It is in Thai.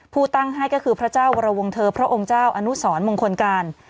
ผู้ตั้งให้ก็คือพระเจ้าวรวงเทอร์พระองค์เจ้าอนุสรมงคลการ